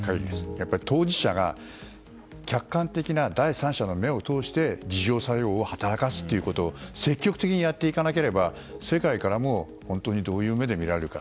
やっぱり当事者が客観的な第三者の目を通して自浄作用を働かすことを積極的にやっていかなければ世界からもどういう目で見られるか。